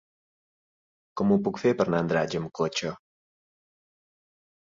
Com ho puc fer per anar a Andratx amb cotxe?